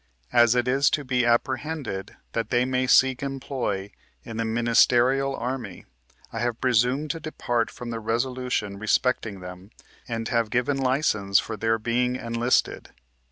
As it is to be apprehended that they may seek employ in the ministerial army, I have presumed to depart from the resolution respecting them, and have given license for their being enlisted.